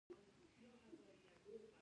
زه د خپل شخصیت ودي ته کار کوم.